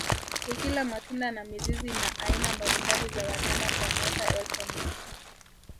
Ikila matunda na mizizi na aina mbalimbali za wanyama kwa miaka elfu nne